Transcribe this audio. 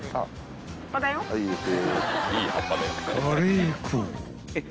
［カレー粉］